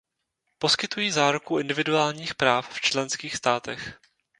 Poskytují záruku individuálních práv v členských státech.